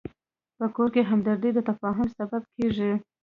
په کور کې همدردي د تفاهم سبب کېږي.